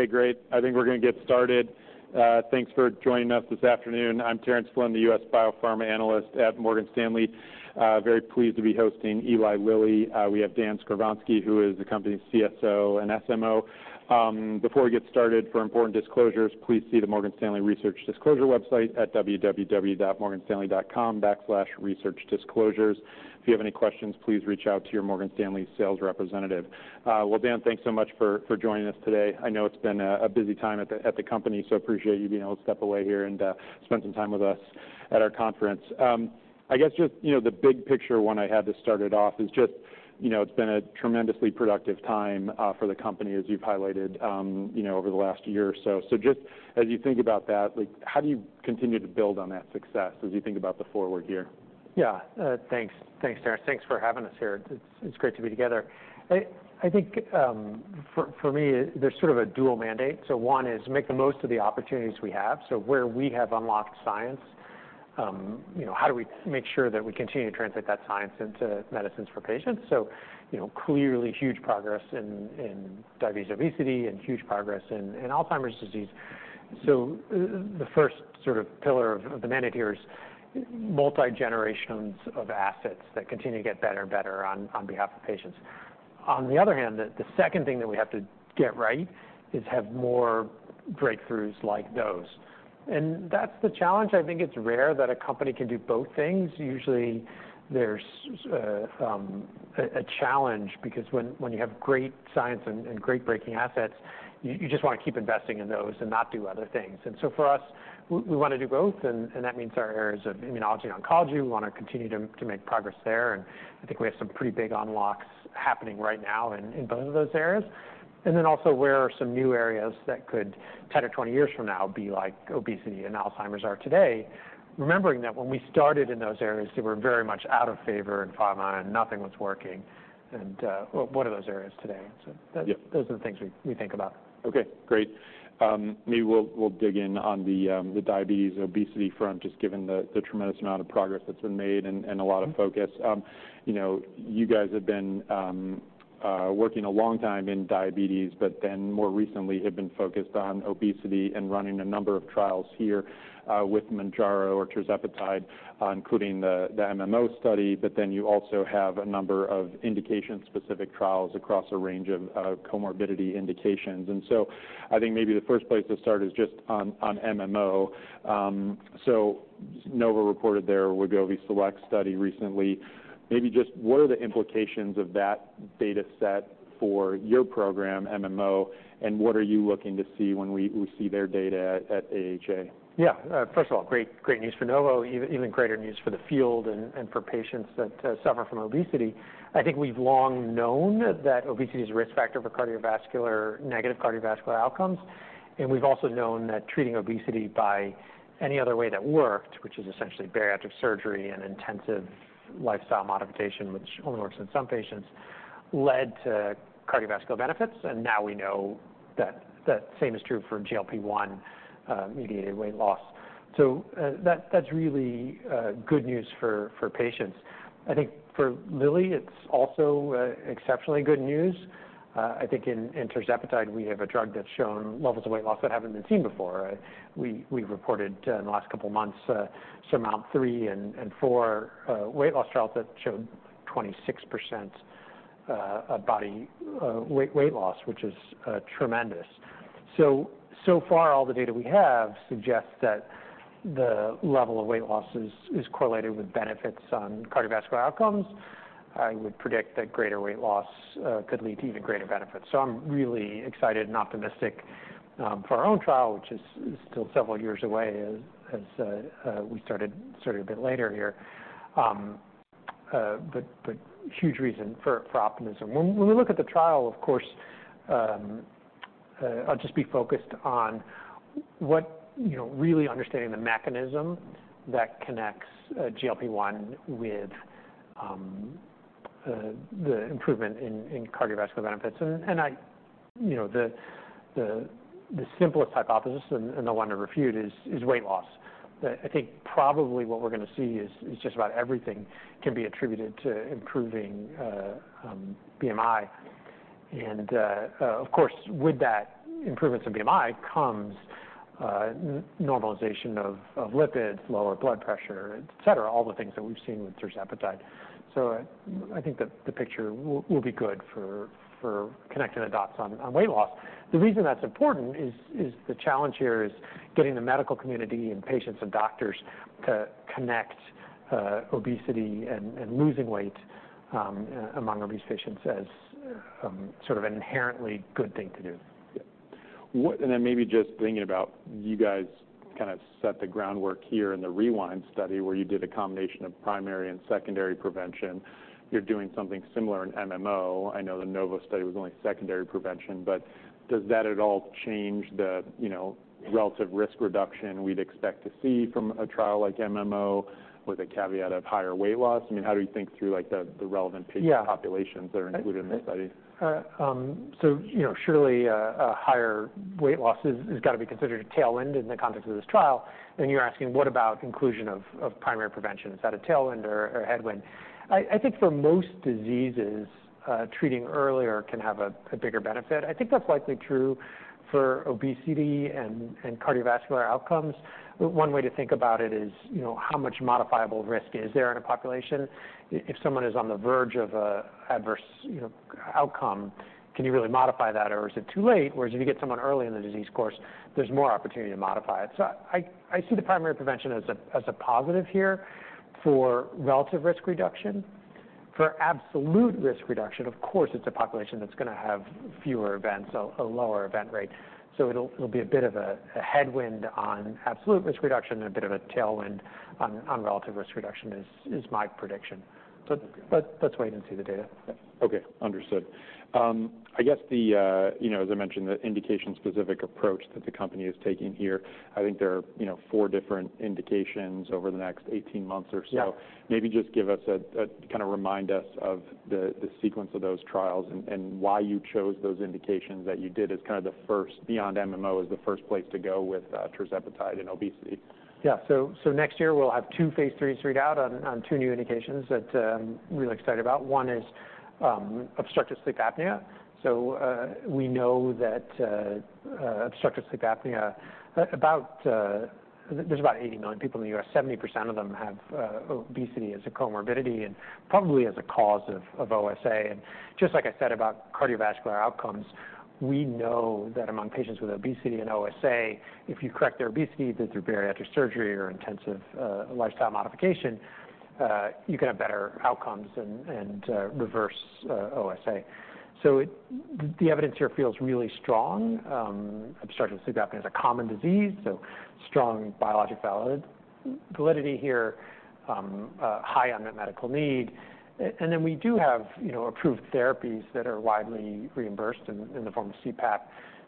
Okay, great. I think we're gonna get started. Thanks for joining us this afternoon. I'm Terence Flynn; U.S. Biopharma Analyst at Morgan Stanley. Very pleased to be hosting Eli Lilly. We have Dan Skovronsky, who is the company's CSO and CMO. Before we get started, for important disclosures, please see the Morgan Stanley Research Disclosure Website at www.morganstanley.com/researchdisclosures. If you have any questions, please reach out to your Morgan Stanley sales representative. Well, Dan, thanks so much for joining us today. I know it's been a busy time at the company, so appreciate you being able to step away here and spend some time with us at our conference. I guess just, you know, the big picture one I had to start it off is just, you know, it's been a tremendously productive time for the company, as you've highlighted, you know, over the last year or so. So just as you think about that, like, how do you continue to build on that success as you think about the forward year? Yeah. Thanks. Thanks, Terence. Thanks for having us here. It's great to be together. I think, for me, there's sort of a dual mandate. So one is make the most of the opportunities we have. So where we have unlocked science, you know, how do we make sure that we continue to translate that science into medicines for patients? So, you know, clearly huge progress in diabetes, obesity, and huge progress in Alzheimer's disease. So the first sort of pillar of the mandate here is multi-generations of assets that continue to get better and better on behalf of patients. On the other hand, the second thing that we have to get right is have more breakthroughs like those. And that's the challenge. I think it's rare that a company can do both things. Usually, there's a challenge because when you have great science and great breaking assets, you just wanna keep investing in those and not do other things. And so for us, we wanna do both, and that means our areas of immunology, oncology, we wanna continue to make progress there. And I think we have some pretty big unlocks happening right now in both of those areas. And then also, where are some new areas that could, 10 or 20 years from now, be like obesity and Alzheimer's are today? Remembering that when we started in those areas, they were very much out of favor in pharma, and nothing was working, and... Well, what are those areas today? Yeah. Those are the things we think about. Okay, great. Maybe we'll, we'll dig in on the, the diabetes, obesity front, just given the, the tremendous amount of progress that's been made and, and a lot of focus. You know, you guys have been, working a long time in diabetes, but then more recently have been focused on obesity and running a number of trials here, with Mounjaro or tirzepatide, including the, the MMO study. But then you also have a number of indication-specific trials across a range of, of comorbidity indications. And so I think maybe the first place to start is just on, MMO. So Novo reported their Wegovy SELECT study recently. Maybe just what are the implications of that data set for your program, MMO, and what are you looking to see when we, we see their data at AHA? Yeah. First of all, great, great news for Novo, even greater news for the field and for patients that suffer from obesity. I think we've long known that obesity is a risk factor for cardiovascular negative cardiovascular outcomes, and we've also known that treating obesity by any other way that worked, which is essentially bariatric surgery and intensive lifestyle modification, which only works in some patients, led to cardiovascular benefits. And now we know that that same is true for GLP-1 mediated weight loss. So, that that's really good news for patients. I think for Lilly, it's also exceptionally good news. I think in tirzepatide, we have a drug that's shown levels of weight loss that haven't been seen before. We've reported in the last couple of months, SURMOUNT three and four weight loss trials that showed 26% body weight loss, which is tremendous. So far, all the data we have suggests that the level of weight loss is correlated with benefits on cardiovascular outcomes. I would predict that greater weight loss could lead to even greater benefits. So I'm really excited and optimistic for our own trial, which is still several years away, as we started a bit later here. But huge reason for optimism. When we look at the trial, of course, I'll just be focused on what you know, really understanding the mechanism that connects GLP-1 with the improvement in cardiovascular benefits. You know, the simplest hypothesis and the one to refute is weight loss. But I think probably what we're gonna see is just about everything can be attributed to improving BMI. Of course, with that improvements in BMI comes normalization of lipids, lower blood pressure, et cetera, all the things that we've seen with tirzepatide. So I think that the picture will be good for connecting the dots on weight loss. The reason that's important is the challenge here is getting the medical community and patients and doctors to connect obesity and losing weight among obese patients as sort of an inherently good thing to do. Yeah. And then maybe just thinking about you guys kind of set the groundwork here in the REWIND study, where you did a combination of primary and secondary prevention. You're doing something similar in MMO. I know the Novo study was only secondary prevention, but does that at all change the, you know, relative risk reduction we'd expect to see from a trial like MMO with a caveat of higher weight loss? I mean, how do you think through, like, the relevant patient- Yeah Populations that are included in the study? So, you know, surely, a higher weight loss has got to be considered a tailwind in the context of this trial. Then you're asking, what about inclusion of primary prevention? Is that a tailwind or headwind? I think for most diseases, treating earlier can have a bigger benefit. I think that's likely true for obesity and cardiovascular outcomes. One way to think about it is, you know, how much modifiable risk is there in a population? If someone is on the verge of an adverse, you know, outcome, can you really modify that, or is it too late? Whereas if you get someone early in the disease course, there's more opportunity to modify it. So I see the primary prevention as a positive here for relative risk reduction. For absolute risk reduction, of course, it's a population that's going to have fewer events, so a lower event rate. So it'll be a bit of a headwind on absolute risk reduction and a bit of a tailwind on relative risk reduction is my prediction. But let's wait and see the data. Okay, understood. I guess the, you know, as I mentioned, the indication-specific approach that the company is taking here, I think there are, you know, four different indications over the next eighteen months or so. Yeah. Maybe just give us a kind of remind us of the sequence of those trials and why you chose those indications that you did as kind of the first, beyond MMO, as the first place to go with tirzepatide and obesity. Yeah. So next year, we'll have two phase III read out on two new indications that I'm really excited about. One is obstructive sleep apnea. So we know that obstructive sleep apnea, about 80 million people in the U.S., 70% of them have obesity as a comorbidity and probably as a cause of OSA. And just like I said about cardiovascular outcomes, we know that among patients with obesity and OSA, if you correct their obesity through bariatric surgery or intensive lifestyle modification, you can have better outcomes and reverse OSA. So the evidence here feels really strong. Obstructive sleep apnea is a common disease, so strong biologic validity here, high unmet medical need. Then we do have, you know, approved therapies that are widely reimbursed in the form of CPAP.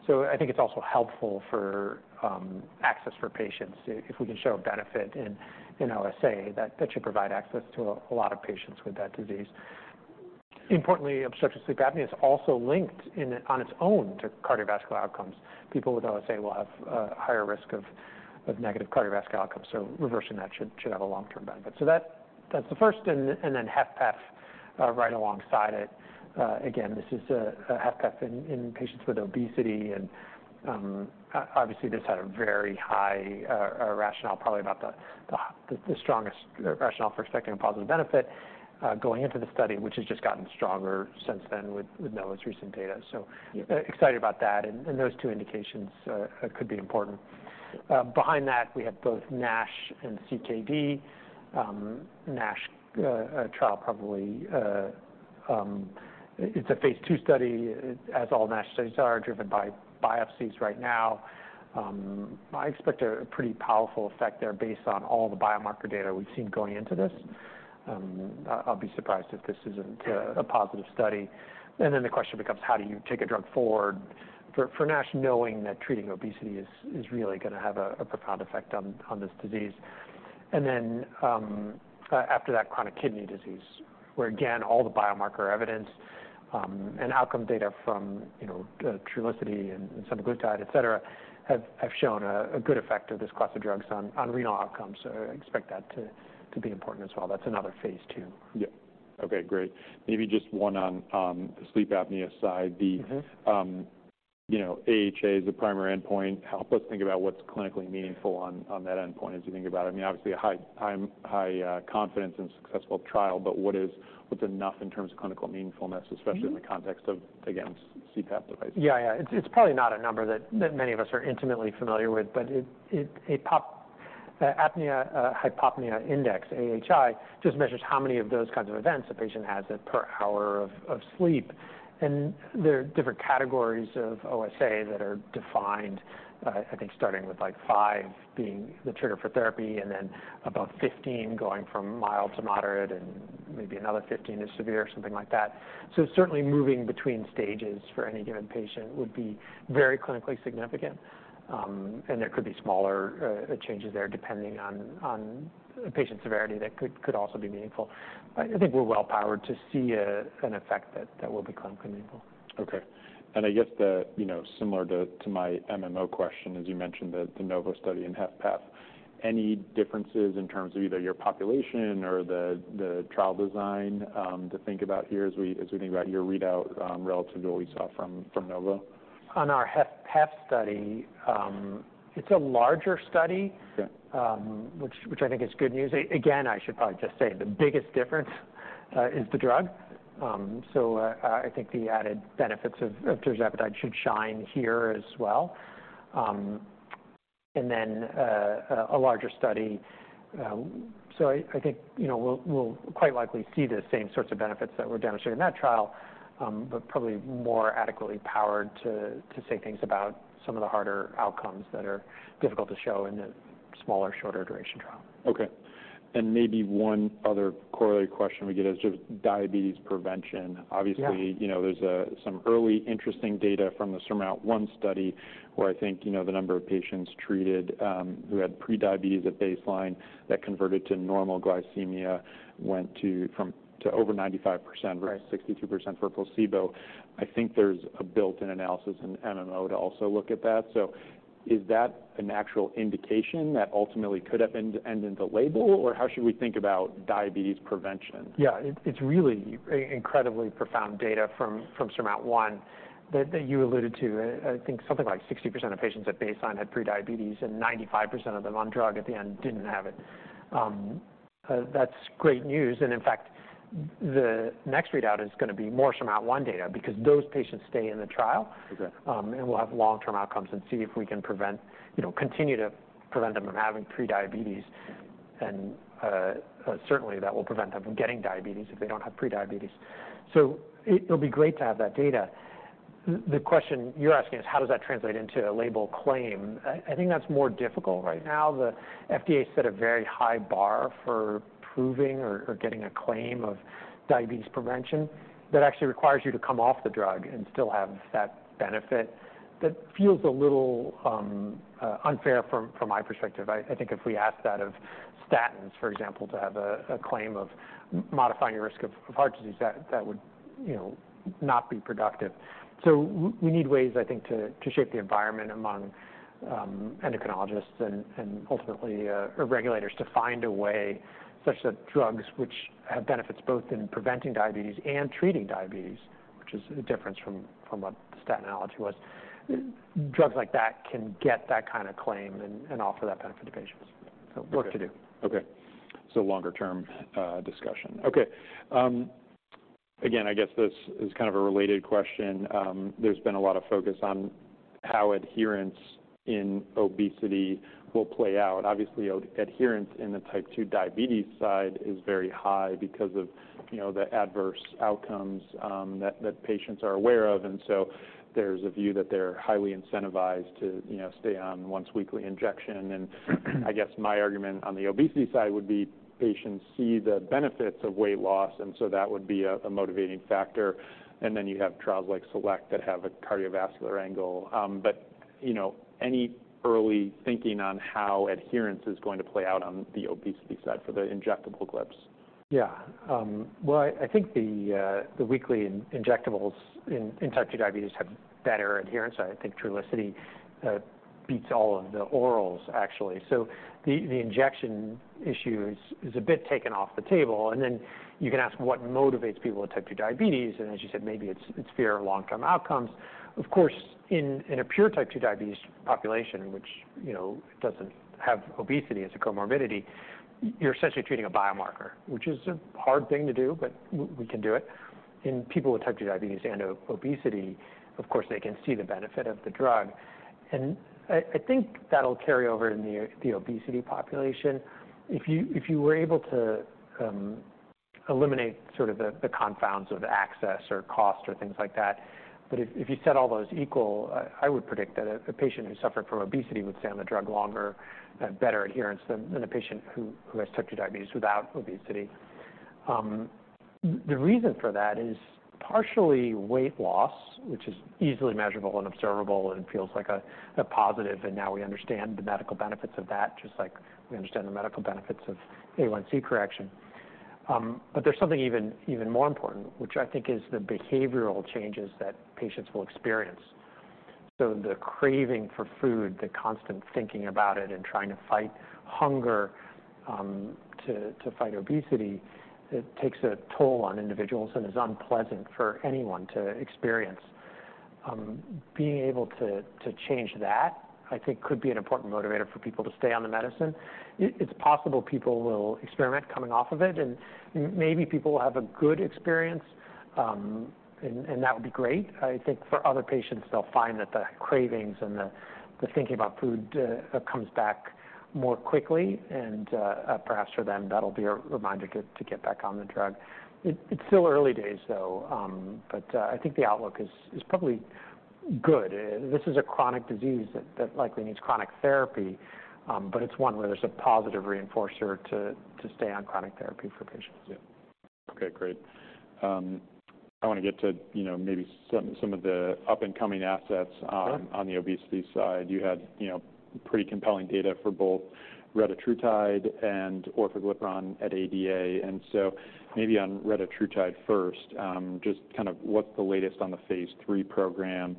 So I think it's also helpful for access for patients if we can show a benefit in OSA. That should provide access to a lot of patients with that disease. Importantly, obstructive sleep apnea is also linked, on its own, to cardiovascular outcomes. People with OSA will have a higher risk of negative cardiovascular outcomes, so reversing that should have a long-term benefit. So that's the first, and then HFpEF, right alongside it. Again, this is a HFpEF in patients with obesity, and obviously, this had a very high rationale, probably about the strongest rationale for expecting a positive benefit, going into the study, which has just gotten stronger since then with Novo's recent data. So excited about that, and those two indications could be important. Behind that, we have both NASH and CKD. NASH trial, probably, it's a phase II study, as all NASH studies are driven by biopsies right now. I expect a pretty powerful effect there based on all the biomarker data we've seen going into this. I, I'll be surprised if this isn't a positive study. And then the question becomes: how do you take a drug forward for NASH, knowing that treating obesity is really going to have a profound effect on this disease? Then after that, chronic kidney disease, where, again, all the biomarker evidence and outcome data from, you know, Trulicity and semaglutide, et cetera, have shown a good effect of this class of drugs on renal outcomes. So I expect that to be important as well. That's another phase II. Yeah. Okay, great. Maybe just one on, the sleep apnea side. Mm-hmm. The, you know, AHA is the primary endpoint. Help us think about what's clinically meaningful on that endpoint as you think about it. I mean, obviously, a high time, high confidence and successful trial, but what's enough in terms of clinical meaningfulness. Mm-hmm Especially in the context of, again, CPAP device? Yeah. It's probably not a number that many of us are intimately familiar with, but apnea-hypopnea index, AHI, just measures how many of those kinds of events a patient has per hour of sleep. And there are different categories of OSA that are defined. I think starting with, like, 5 being the trigger for therapy and then about 15 going from mild to moderate and maybe another 15 is severe, something like that. So certainly moving between stages for any given patient would be very clinically significant, and there could be smaller changes there, depending on the patient's severity, that could also be meaningful. I think we're well-powered to see an effect that will be clinically meaningful. Okay. And I guess the, you know, similar to, to my MMO question, as you mentioned, the Novo study in HFpEF, any differences in terms of either your population or the, the trial design, to think about here as we, as we think about your readout, relative to what we saw from, from Novo? On our HFpEF study, it's a larger study- Okay... which I think is good news. Again, I should probably just say the biggest difference is the drug. So, I think the added benefits of tirzepatide should shine here as well. And then a larger study. So I think, you know, we'll quite likely see the same sorts of benefits that were demonstrated in that trial, but probably more adequately powered to say things about some of the harder outcomes that are difficult to show in a smaller, shorter duration trial. Okay. Maybe one other corollary question we get is just diabetes prevention. Yeah. Obviously, you know, there's some early interesting data from the SURMOUNT-1 study, where I think, you know, the number of patients treated who had prediabetes at baseline that converted to normal glycemia went to, from, to over 95%- Right... versus 62% for placebo. I think there's a built-in analysis in MMO to also look at that. So is that an actual indication that ultimately could upend in the label, or how should we think about diabetes prevention? Yeah. It's really incredibly profound data from SURMOUNT-1 that you alluded to. I think something like 60% of patients at baseline had prediabetes, and 95% of them on drug at the end didn't have it. That's great news, and in fact, the next readout is going to be more from SURMOUNT-1 data, because those patients stay in the trial. Okay. And we'll have long-term outcomes and see if we can prevent, you know, continue to prevent them from having prediabetes. And certainly, that will prevent them from getting diabetes if they don't have prediabetes. So it'll be great to have that data. The question you're asking is, how does that translate into a label claim? I think that's more difficult right now. The FDA set a very high bar for proving or getting a claim of diabetes prevention that actually requires you to come off the drug and still have that benefit. That feels a little unfair from my perspective. I think if we ask that of statins, for example, to have a claim of modifying your risk of heart disease, that would, you know, not be productive. So we need ways, I think, to shape the environment among endocrinologists and ultimately regulators to find a way such that drugs which have benefits both in preventing diabetes and treating diabetes, which is a difference from what the statin analogy was. Drugs like that can get that kind of claim and offer that benefit to patients. So work to do. Okay. So longer-term discussion. Okay, again, I guess this is kind of a related question. There's been a lot of focus on how adherence in obesity will play out. Obviously, adherence in the type 2 diabetes side is very high because of, you know, the adverse outcomes that patients are aware of. And so there's a view that they're highly incentivized to, you know, stay on once-weekly injection. And I guess my argument on the obesity side would be patients see the benefits of weight loss, and so that would be a motivating factor. And then you have trials like Select that have a cardiovascular angle. But, you know, any early thinking on how adherence is going to play out on the obesity side for the injectable GLP-1s? Yeah. Well, I think the weekly injectables in type two diabetes have better adherence. I think Trulicity beats all of the orals, actually. So the injection issue is a bit taken off the table, and then you can ask what motivates people with type two diabetes, and as you said, maybe it's fear of long-term outcomes. Of course, in a pure type two diabetes population, which, you know, doesn't have obesity as a comorbidity, you're essentially treating a biomarker, which is a hard thing to do, but we can do it. In people with type two diabetes and obesity, of course, they can see the benefit of the drug, and I think that'll carry over in the obesity population. If you were able to eliminate sort of the confounds of access or cost or things like that, but if you set all those equal, I would predict that a patient who suffered from obesity would stay on the drug longer and have better adherence than a patient who has type 2 diabetes without obesity. The reason for that is partially weight loss, which is easily measurable and observable and feels like a positive, and now we understand the medical benefits of that, just like we understand the medical benefits of A1C correction. But there's something even more important, which I think is the behavioral changes that patients will experience. So the craving for food, the constant thinking about it, and trying to fight hunger, to fight obesity, it takes a toll on individuals and is unpleasant for anyone to experience. Being able to change that, I think, could be an important motivator for people to stay on the medicine. It's possible people will experiment coming off of it, and maybe people will have a good experience, and that would be great. I think for other patients, they'll find that the cravings and the thinking about food comes back more quickly, and perhaps for them, that'll be a reminder to get back on the drug. It's still early days, though, but I think the outlook is probably good. This is a chronic disease that likely needs chronic therapy, but it's one where there's a positive reinforcer to stay on chronic therapy for patients. Yeah. Okay, great. I want to get to, you know, maybe some of the up-and-coming assets- Sure... on the obesity side. You had, you know, pretty compelling data for both retatrutide and orforglipron at ADA. And so maybe on retatrutide first, just kind of what's the latest on the phase three program?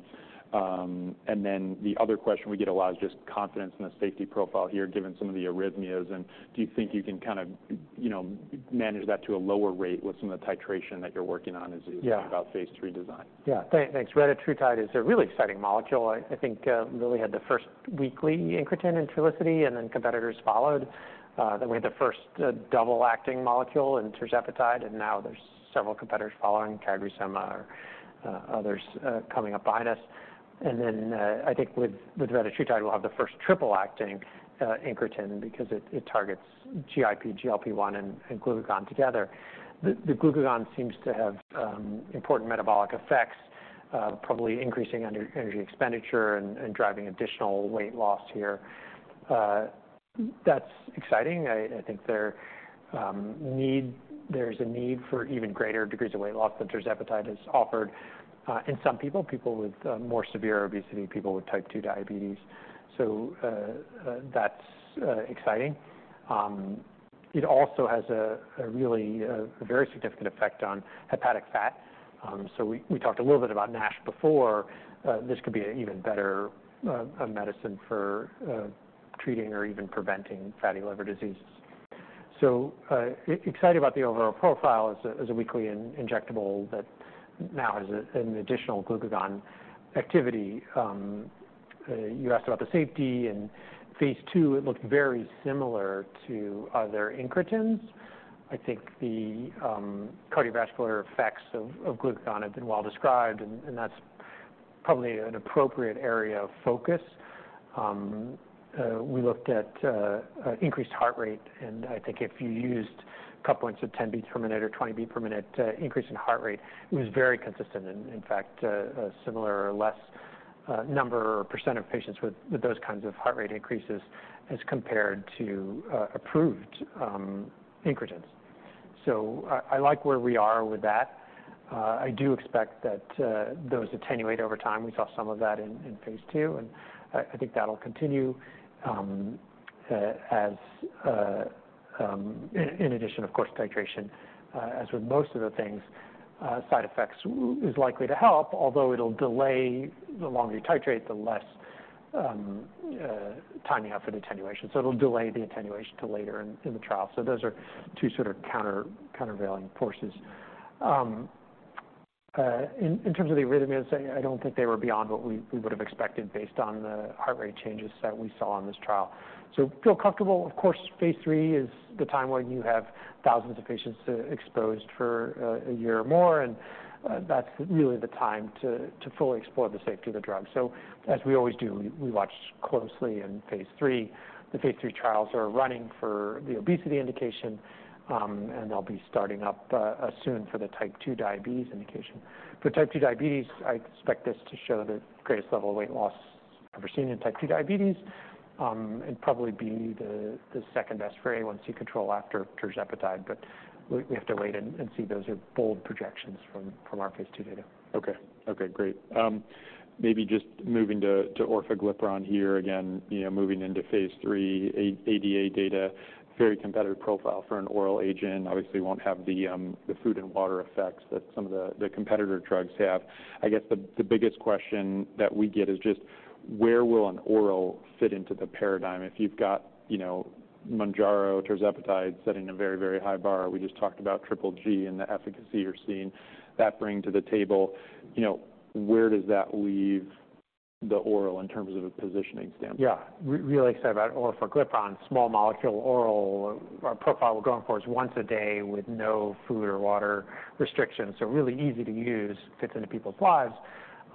And then the other question we get a lot is just confidence in the safety profile here, given some of the arrhythmias. And do you think you can kind of, you know, manage that to a lower rate with some of the titration that you're working on as- Yeah You think about phase three design? Yeah. Thanks. Retatrutide is a really exciting molecule. I think really had the first weekly incretin in Trulicity, and then competitors followed. Then we had the first double-acting molecule in tirzepatide, and now there's several competitors following, CagriSema or others coming up behind us. And then I think with retatrutide, we'll have the first triple-acting incretin because it targets GIP, GLP-1, and glucagon together. The glucagon seems to have important metabolic effects, probably increasing under energy expenditure and driving additional weight loss here. That's exciting. I think there's a need for even greater degrees of weight loss than tirzepatide has offered in some people, people with more severe obesity, people with type 2 diabetes. So that's exciting. It also has a really, a very significant effect on hepatic fat. So we talked a little bit about NASH before. This could be an even better medicine for treating or even preventing fatty liver diseases. So excited about the overall profile as a weekly injectable that now has an additional glucagon activity. You asked about the safety. In Phase II, it looked very similar to other incretins. I think the cardiovascular effects of glucagon have been well described, and that's probably an appropriate area of focus. We looked at increased heart rate, and I think if you used a couple points of 10 beats per minute or 20 beats per minute increase in heart rate, it was very consistent. And in fact, a similar or less number or percent of patients with those kinds of heart rate increases as compared to approved incretins. So I like where we are with that. I do expect that those attenuate over time. We saw some of that in Phase Two, and I think that'll continue. In addition, of course, titration as with most of the things side effects is likely to help, although it'll delay. The longer you titrate, the less timing you have for attenuation. So it'll delay the attenuation till later in the trial. So those are two sort of countervailing forces. In terms of the arrhythmias, I don't think they were beyond what we would have expected based on the heart rate changes that we saw on this trial. So feel comfortable. Of course, phase III is the time when you have thousands of patients exposed for a year or more, and that's really the time to fully explore the safety of the drug. So as we always do, we watch closely in phase III. The phase III trials are running for the obesity indication, and they'll be starting up soon for the type 2 diabetes indication. For type 2 diabetes, I expect this to show the greatest level of weight loss ever seen in type 2 diabetes, and probably be the second best for A1C control after tirzepatide. But we have to wait and see. Those are bold projections from our phase II data. Okay. Okay, great. Maybe just moving to orforglipron here again, you know, moving into Phase III, ADA data, very competitive profile for an oral agent. Obviously, won't have the food and water effects that some of the competitor drugs have. I guess the biggest question that we get is just where will an oral fit into the paradigm? If you've got, you know, Mounjaro, tirzepatide, setting a very, very high bar. We just talked about triple G and the efficacy you're seeing that bring to the table. You know, where does that leave the oral in terms of a positioning standpoint? Yeah, really excited about orforglipron, small molecule, oral. Our profile we're going for is once a day with no food or water restrictions, so really easy to use, fits into people's lives.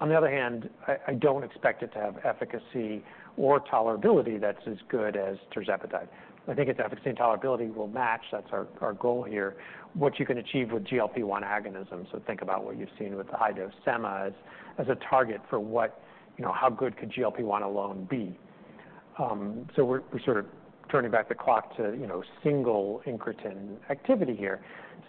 On the other hand, I don't expect it to have efficacy or tolerability that's as good as tirzepatide. I think its efficacy and tolerability will match, that's our goal here, what you can achieve with GLP-1 agonism. So think about what you've seen with the high-dose sema as a target for what... You know, how good could GLP-1 alone be? So we're sort of turning back the clock to, you know, single incretin activity here.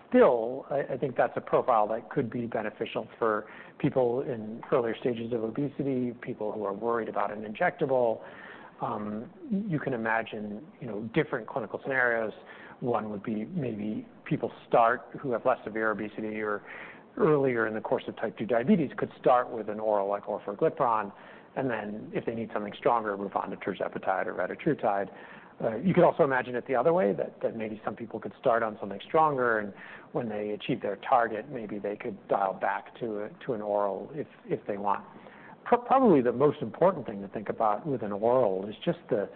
Still, I think that's a profile that could be beneficial for people in earlier stages of obesity, people who are worried about an injectable. You can imagine, you know, different clinical scenarios. One would be maybe people start, who have less severe obesity or earlier in the course of Type Two diabetes, could start with an oral like orforglipron, and then if they need something stronger, move on to tirzepatide or retatrutide. You could also imagine it the other way, that maybe some people could start on something stronger, and when they achieve their target, maybe they could dial back to an oral if they want. Probably the most important thing to think about with an oral is just the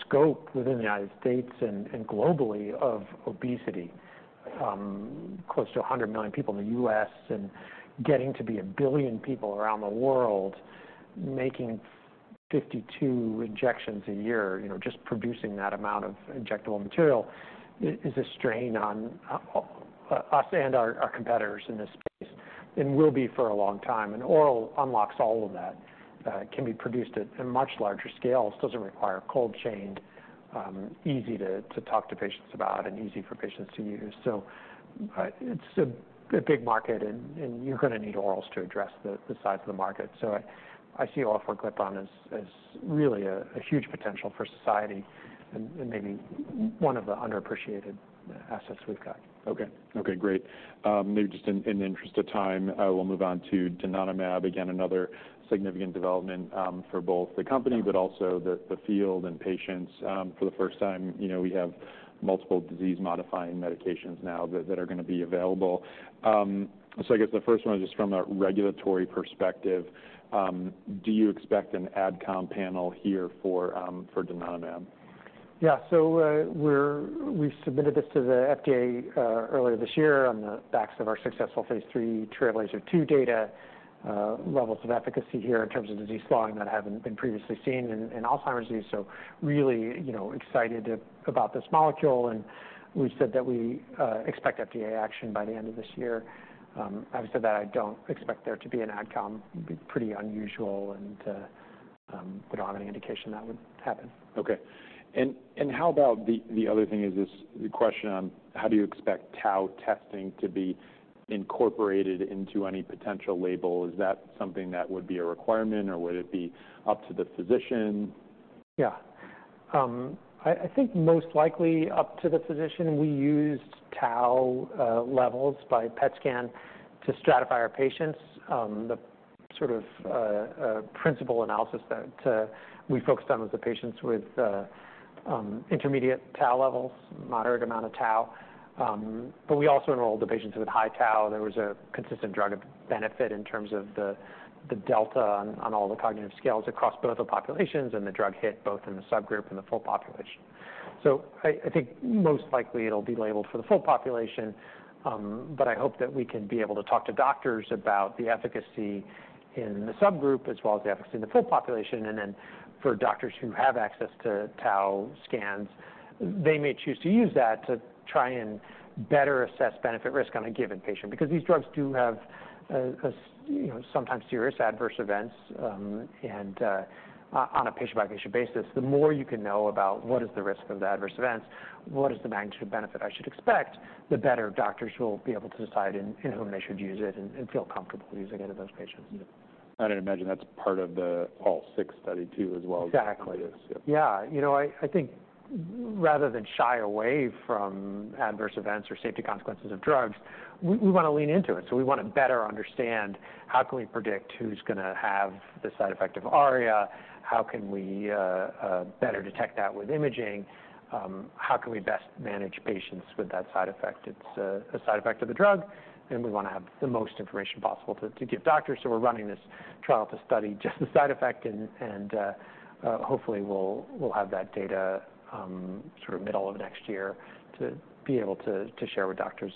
scope within the United States and globally of obesity. Close to 100 million people in the US and getting to be 1 billion people around the world, making 52 injections a year, you know, just producing that amount of injectable material is a strain on us and our competitors in this space and will be for a long time. And oral unlocks all of that. It can be produced at a much larger scale, doesn't require cold chain, easy to talk to patients about and easy for patients to use. So, it's a big market, and you're gonna need orals to address the size of the market. So I see orforglipron as really a huge potential for society and maybe one of the underappreciated assets we've got. Okay. Okay, great. Maybe just in the interest of time, we'll move on to donanemab. Again, another significant development for both the company, but also the field and patients. For the first time, you know, we have multiple disease-modifying medications now that are gonna be available. So I guess the first one is just from a regulatory perspective, do you expect an ad com panel here for donanemab? Yeah. So, we've submitted this to the FDA earlier this year on the backs of our successful phase III Trailblazer-2 data, levels of efficacy here in terms of disease slowing that haven't been previously seen in Alzheimer's disease. So really, you know, excited about this molecule, and we've said that we expect FDA action by the end of this year. Having said that, I don't expect there to be an adcom. It would be pretty unusual and put on any indication that would happen. Okay. And how about the other thing is this, the question on how do you expect tau testing to be incorporated into any potential label? Is that something that would be a requirement, or would it be up to the physician? Yeah. I think most likely up to the physician. We used tau levels by PET scan to stratify our patients. The sort of principal analysis that we focused on was the patients with intermediate tau levels, moderate amount of tau. But we also enrolled the patients with high tau. There was a consistent drug of benefit in terms of the delta on all the cognitive scales across both the populations, and the drug hit both in the subgroup and the full population. So I think most likely it'll be labeled for the full population, but I hope that we can be able to talk to doctors about the efficacy in the subgroup, as well as the efficacy in the full population. And then for doctors who have access to tau scans, they may choose to use that to try and better assess benefit risk on a given patient. Because these drugs do have, you know, sometimes serious adverse events, and on a patient-by-patient basis. The more you can know about what is the risk of the adverse events, what is the magnitude of benefit I should expect, the better doctors will be able to decide in- Mm-hmm... and when they should use it and feel comfortable using it in those patients. Yeah. I'd imagine that's part of the ALZ 6 study, too, as well as- Exactly. Yeah. Yeah. You know, I think rather than shy away from adverse events or safety consequences of drugs, we wanna lean into it. So we wanna better understand how can we predict who's gonna have the side effect of ARIA? How can we better detect that with imaging? How can we best manage patients with that side effect? It's a side effect of the drug, and we wanna have the most information possible to give doctors. So we're running this trial to study just the side effect and hopefully we'll have that data, sort of middle of next year to be able to share with doctors,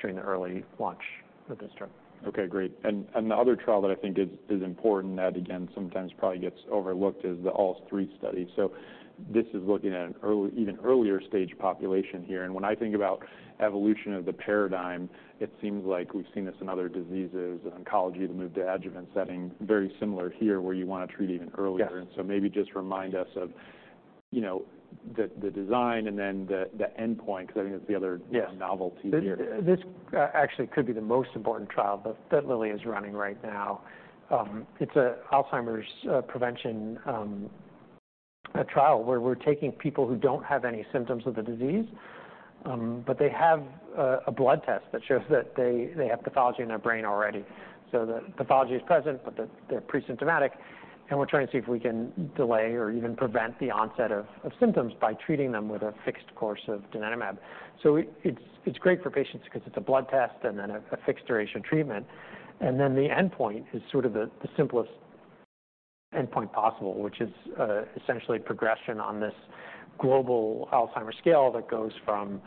during the early launch of this drug. Okay, great. And the other trial that I think is important, that again, sometimes probably gets overlooked, is the ALZ 3 study. So this is looking at an early... even earlier stage population here. And when I think about evolution of the paradigm, it seems like we've seen this in other diseases, in oncology, the move to adjuvant setting, very similar here, where you wanna treat even earlier. Yes. And so maybe just remind us of, you know, the design and then the endpoint, 'cause I think that's the other- Yes... novelty here. This actually could be the most important trial that Lilly is running right now. It's an Alzheimer's prevention trial, where we're taking people who don't have any symptoms of the disease, but they have a blood test that shows that they have pathology in their brain already. So the pathology is present, but they're pre-symptomatic, and we're trying to see if we can delay or even prevent the onset of symptoms by treating them with a fixed course of donanemab. So it's great for patients 'cause it's a blood test and then a fixed duration treatment. And then the endpoint is sort of the simplest endpoint possible, which is essentially progression on this global Alzheimer's scale that goes from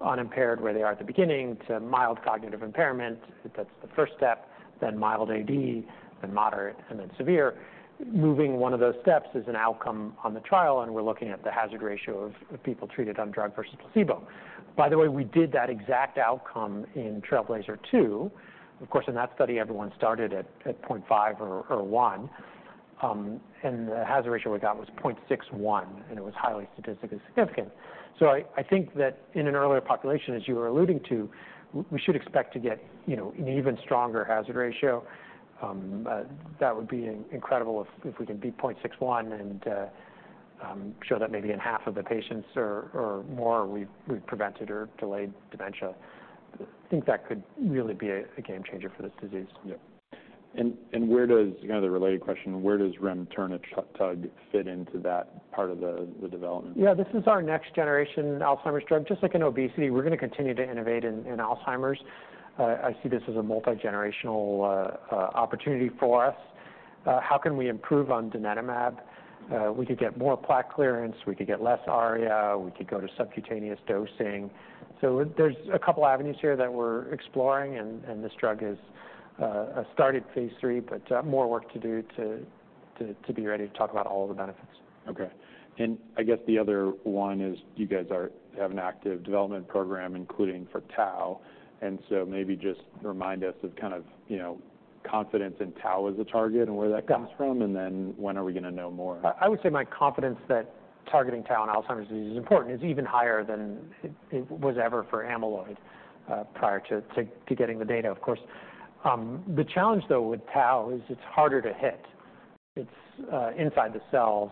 unimpaired, where they are at the beginning, to mild cognitive impairment. That's the first step, then mild AD, then moderate, and then severe. Moving one of those steps is an outcome on the trial, and we're looking at the hazard ratio of people treated on drug versus placebo. By the way, we did that exact outcome in Trailblazer-2. Of course, in that study, everyone started at 0.5 or one And the hazard ratio we got was 0.61, and it was highly statistically significant. So I think that in an earlier population, as you were alluding to, we should expect to get, you know, an even stronger hazard ratio. But that would be incredible if we can beat 0.61 and show that maybe in half of the patients or more we've prevented or delayed dementia. I think that could really be a game changer for this disease. Yeah. And where does... You know, the related question: Where does remternetug fit into that part of the development? Yeah, this is our next generation Alzheimer's drug. Just like in obesity, we're gonna continue to innovate in Alzheimer's. I see this as a multigenerational opportunity for us. How can we improve on donanemab? We could get more plaque clearance, we could get less ARIA, we could go to subcutaneous dosing. So there's a couple avenues here that we're exploring, and this drug is started phase III, but more work to do to be ready to talk about all of the benefits. Okay. And I guess the other one is, you guys have an active development program, including for tau. And so maybe just remind us of kind of, you know, confidence in tau as a target and where that comes from. Yeah. And then when are we gonna know more? I would say my confidence that targeting tau in Alzheimer's disease is important is even higher than it was ever for amyloid prior to getting the data, of course. The challenge, though, with tau, is it's harder to hit. It's inside the cells.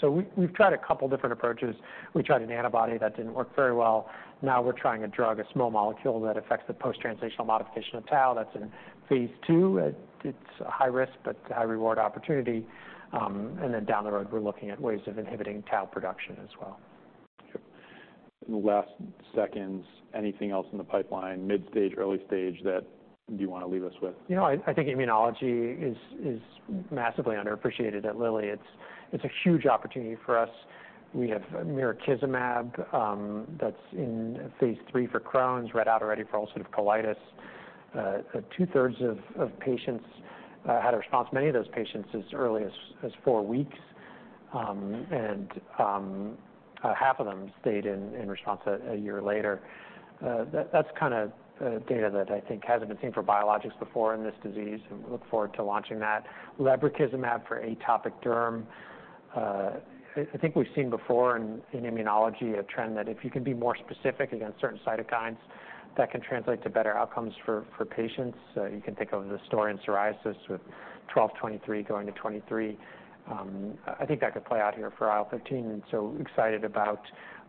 So we've tried a couple different approaches. We tried an antibody that didn't work very well. Now we're trying a drug, a small molecule, that affects the post-translational modification of tau. That's in phase II. It's a high-risk, but high-reward opportunity. And then down the road, we're looking at ways of inhibiting tau production as well. Sure. In the last seconds, anything else in the pipeline, mid-stage, early stage, that you wanna leave us with? You know, I think immunology is massively underappreciated at Lilly. It's a huge opportunity for us. We have mirikizumab, that's in Phase III for Crohn's, read out already for ulcerative colitis. Two-thirds of patients had a response, many of those patients as early as four weeks. And half of them stayed in response a year later. That's kinda data that I think hasn't been seen for biologics before in this disease, and we look forward to launching that. Lerucizumab for atopic derm. I think we've seen before in immunology, a trend that if you can be more specific against certain cytokines, that can translate to better outcomes for patients. You can think of the story in psoriasis with 12/23 going to 23. I think that could play out here for IL-15, and so excited about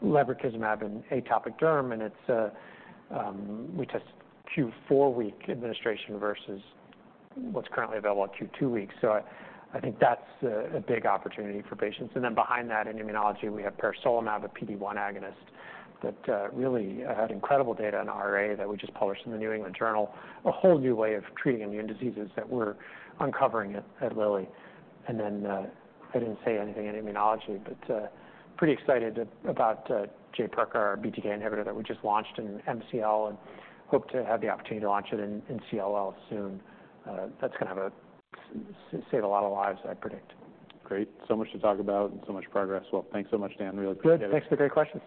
lebrikizumab in atopic derm. And it's, we tested Q4-week administration versus what's currently available at Q2 weeks. So I think that's a big opportunity for patients. And then behind that, in immunology, we have peresolimab, a PD-1 agonist, that really had incredible data in RA that we just published in the New England Journal. A whole new way of treating immune diseases that we're uncovering at Lilly. And then, I didn't say anything on immunology, but pretty excited about Jaypirca, our BTK inhibitor, that we just launched in MCL and hope to have the opportunity to launch it in CLL soon. That's gonna save a lot of lives, I predict. Great. So much to talk about and so much progress. Well, thanks so much, Dan. Really appreciate it. Good. Thanks for the great questions.